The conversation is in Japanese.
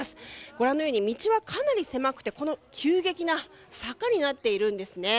ご覧のように、道はかなり狭くて急激な坂になっているんですね。